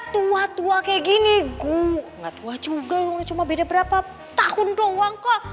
tua tua kayak gini gue gak tua juga cuma beda berapa tahun doang kok